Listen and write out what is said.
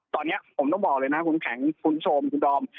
ตอนนี้ผมต้องบอกเลยนะคุณแข็งคุณผู้ชมคุณดอม